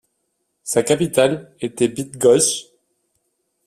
Sa capitale était Bydgoszcz.